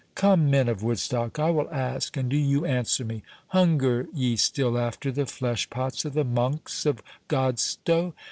Come, men of Woodstock, I will ask, and do you answer me. Hunger ye still after the flesh pots of the monks of Godstow?